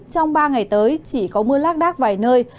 trong ba ngày tới chỉ có mưa lác đác vài nơi